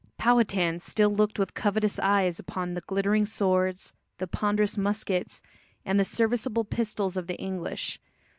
Powhatan still looked with covetous eyes upon the glittering swords, the ponderous muskets, and the serviceable pistols of the English.